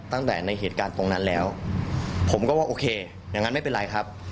ตั้งแต่ในเหตุการณ์ตรงนั้นแล้วผมก็ว่าโอเคอย่างนั้นไม่เป็นไรครับ